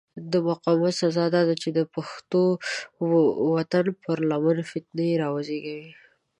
د مقاومت سزا داده چې د پښتون وطن پر لمن فتنې را وزېږي.